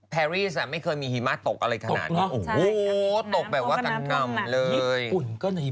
แพริสไม่เคยมีหิมะตกอะไรขนาดนี้